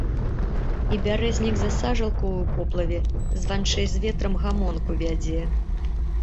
І бярэзнік за сажалкаю ў поплаве званчэй з ветрам гамонку вядзе.